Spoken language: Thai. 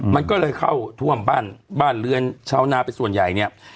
มันก็เลยเข้าท่วมบ้านบ้านเรือนชาวนาเป็นส่วนใหญ่เนี่ย